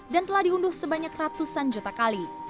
dan telah diunduh sebanyak ratusan juta kali